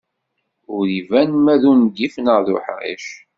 Ur iban ma d ungif neɣ d uḥric.